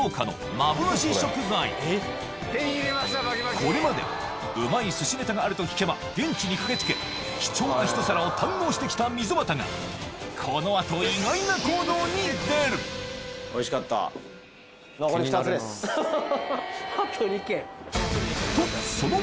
これまでうまい寿司ネタがあると聞けば現地に駆け付け貴重なひと皿を堪能してきた溝端がこの後意外な行動に出るアハハ。